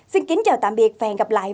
xin kính chào tạm biệt và hẹn gặp lại